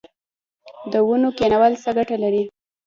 د ونو کینول څه ګټه لري؟